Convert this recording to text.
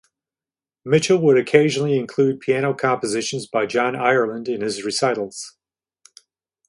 Mitchell would occasionally include piano compositions by John Ireland in his recitals.